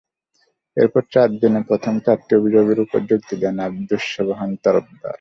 এরপর চার দিনে প্রথম চারটি অভিযোগের ওপর যুক্তি দেন আবদুস সোবহান তরফদার।